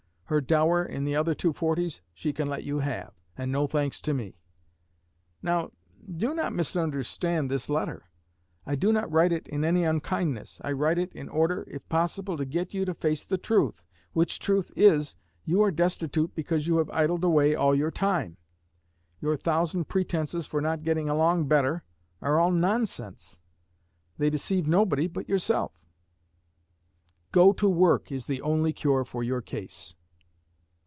Her dower in the other two forties she can let you have, and no thanks to me. Now, do not misunderstand this letter. I do not write it in any unkindness. I write it in order, if possible, to get you to face the truth, which truth is, you are destitute because you have idled away all your time. Your thousand pretences for not getting along better are all nonsense. They deceive nobody but yourself. Go to work is the only cure for your case.